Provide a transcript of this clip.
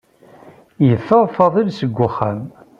Yeffeɣ Fadil seg uxxam.